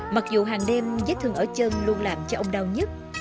mặc dù hàng đêm vết thương ở chân luôn làm cho ông đau nhất